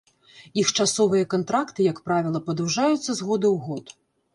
Іх часовыя кантракты, як правіла, падаўжаюцца з года ў год.